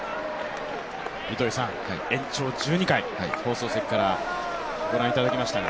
延長１２回、放送席から御覧いただきましたが。